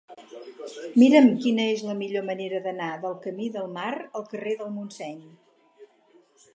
Mira'm quina és la millor manera d'anar del camí del Mar al carrer del Montseny.